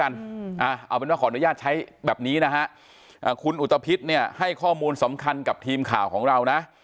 นะคุณอุตพิษให้ข้อมูลสำคัญกับทีมข่าวของเรานะ